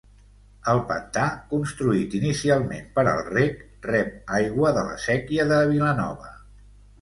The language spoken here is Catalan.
El pantà, construït inicialment per al reg, rep aigua de la Séquia de Vilanova.